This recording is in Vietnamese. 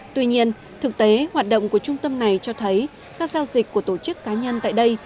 tuy nhiên thực tế hoạt động của trung tâm này cho thấy các giao dịch của tổ chức cá nhân tại đây